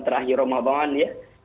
terakhir ramadan ya